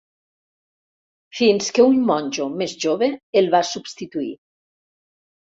Fins que un monjo més jove el va substituir.